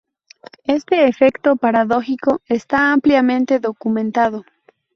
Este efecto paradójico está ampliamente documentado.